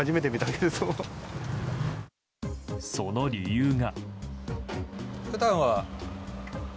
その理由が。